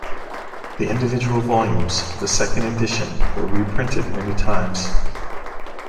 The individual volumes of the second edition were reprinted many times.